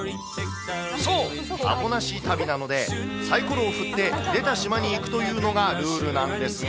そう、アポなし旅なので、さいころを振って、出た島に行くというのがルールなんですが。